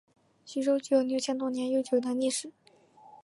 徐州具有六千多年悠久的历史。